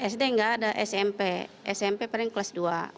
sd nggak ada smp smp paling kelas dua